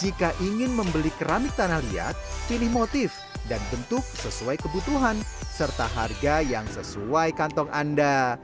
jika ingin membeli keramik tanah liat pilih motif dan bentuk sesuai kebutuhan serta harga yang sesuai kantong anda